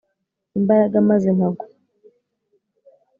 imbaraga maze nkagwa